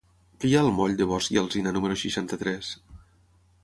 Què hi ha al moll de Bosch i Alsina número seixanta-tres?